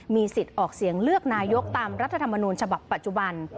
มีสิทธิ์ออกเสียงเลือกนายกตามรัฐธรรมนูญฉบับปัจจุบัน